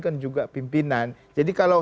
kan juga pimpinan jadi kalau